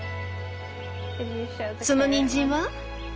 そのにんじんは？